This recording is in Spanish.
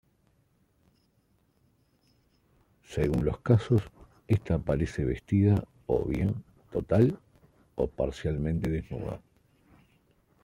Según los casos, esta aparece vestida o bien total o parcialmente desnuda.